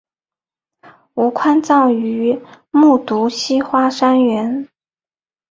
吴宽葬于木渎西花园山。